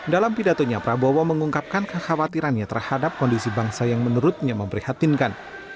dalam pidatonya prabowo mengungkapkan kekhawatirannya terhadap kondisi bangsa yang menurutnya memprihatinkan